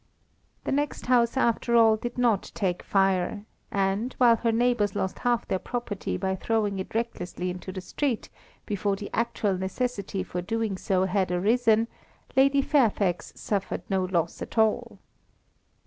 The next house, after all, did not take fire, and, while her neighbours lost half their property by throwing it recklessly into the street, before the actual necessity for doing so had arisen, Lady Fairfax suffered no loss at all.